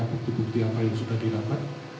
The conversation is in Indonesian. bukti bukti apa yang sudah didapat